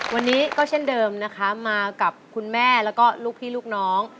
วันนี้เช่นเดิมมากับคุณแม่และลูกพี่ลูกน้อง